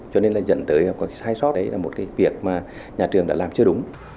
cho nên dẫn tới có sai sót đấy là một việc mà nhà trường đã làm chưa đúng